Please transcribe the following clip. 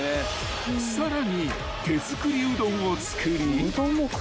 ［さらに手作りうどんを作り］